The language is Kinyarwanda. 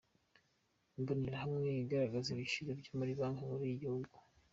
Imbonerahamwe igaragaza ibiciro byo muri Banki Nkuru y'igihugu.